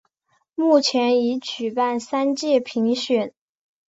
目前已举办三届评选。